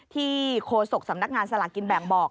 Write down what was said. โคศกสำนักงานสลากกินแบ่งบอก